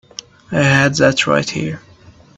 I had that right here.